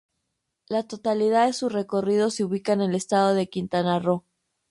La totalidad de su recorrido se ubica en el estado de Quintana Roo.